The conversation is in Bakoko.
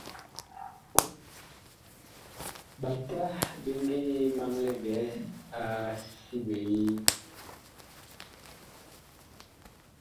Ɓata bi ngi maŋlɛɛ ɓɛhɛ a si biee.